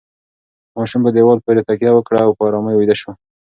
ماشوم په دیوال پورې تکیه وکړه او په ارامۍ ویده شو.